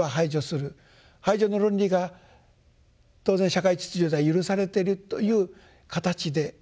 排除の論理が当然社会秩序では許されてるという形で。